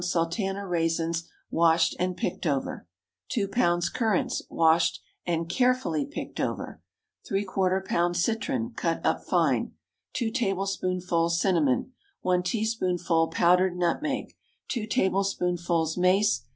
sultana raisins, washed and picked over. 2 lbs. currants, washed and carefully picked over. ¾ lb. citron, cut up fine. 2 tablespoonfuls cinnamon. 1 teaspoonful powdered nutmeg. 2 tablespoonfuls mace.